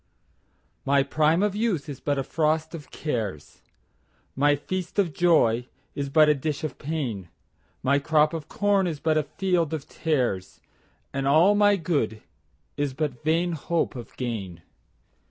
1My prime of youth is but a frost of cares,2My feast of joy is but a dish of pain,3My crop of corn is but a field of tares,4And all my good is but vain hope of gain.